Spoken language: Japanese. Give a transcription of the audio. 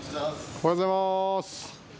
おはようございます。